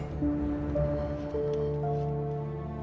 coba di kanan